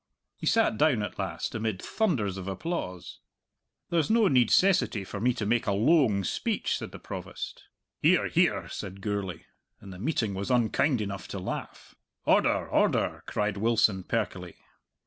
He sat down at last amid thunders of applause. "There's no needcessity for me to make a loang speech," said the Provost. "Hear, hear!" said Gourlay, and the meeting was unkind enough to laugh. "Order, order!" cried Wilson perkily.